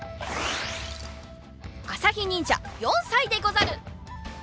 あさひにんじゃ４さいでござる。